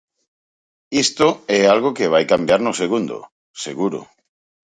Isto é algo que vai cambiar no segundo, seguro.